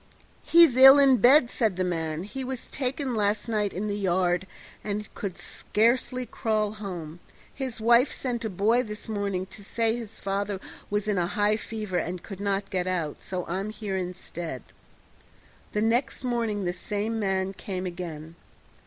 "He's ill in bed," said the man; "he was taken last night in the yard, and could scarcely crawl home. His wife sent a boy this morning to say his father was in a high fever and could not get out, so I'm here instead." The next morning the same man came again.